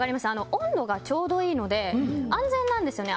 温度がちょうどいいので安全なんですよね。